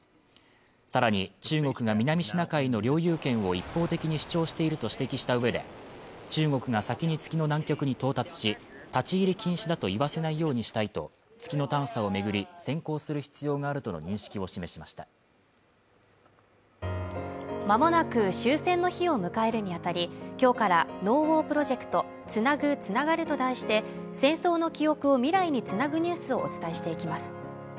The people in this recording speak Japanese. さらに中国が南シナ海の領有権を一方的に主張していると指摘したうえで中国が先に月の南極に到達し立ち入り禁止だと言わせないようにしたいと月の探査を巡り先行する必要があるとの認識を示しましたまもなく終戦の日を迎えるにあたり今日から「ＮＯＷＡＲプロジェクトつなぐ、つながる」と題して戦争の記憶を未来につなぐニュースをお伝えしていきます